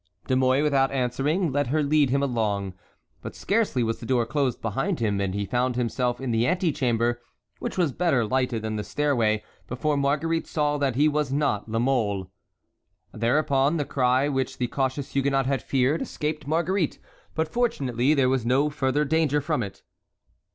" De Mouy without answering let her lead him along; but scarcely was the door closed behind him and he found himself in the antechamber, which was better lighted than the stairway, before Marguerite saw that he was not La Mole. Thereupon the cry which the cautious Huguenot had feared escaped Marguerite; but fortunately there was no further danger from it.